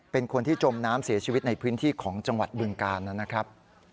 เป็นคนที่จมน้ำเสียชีวิตในพื้นที่ของจังหวัดบึงกาลนะครับ